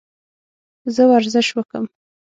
زه ورزش وکم؟